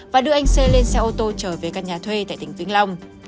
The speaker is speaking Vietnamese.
và đưa anh c lên xe ô tô trở về căn nhà thuê tại tỉnh vĩnh long